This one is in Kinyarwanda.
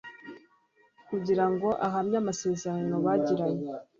kugira ngo ahamye amasezerano bagiranye